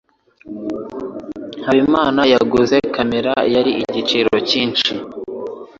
Habimana yaguze kamera yari igiciro cyinshi.